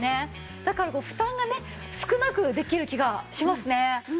だから負担がね少なくできる気がしますね。